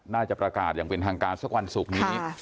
น่าจะประกาศอย่างเป็นทางการสักวันศุกร์นี้